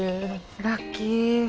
ラッキー！